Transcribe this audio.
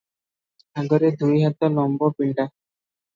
ଆଗରେ ଦୁଇହାତ ଲମ୍ବ ପିଣ୍ତା ।